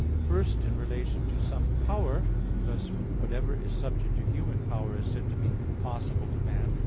First in relation to some power, thus whatever is subject to human power is said to be possible to man.